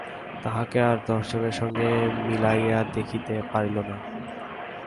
তাহাকে আর দশজনের সঙ্গে মিলাইয়া দেখিতে পারিল না।